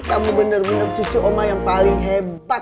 kamu bener bener cucu oma yang paling hebat